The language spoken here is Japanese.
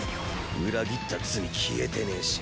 裏切った罪消えてねえし。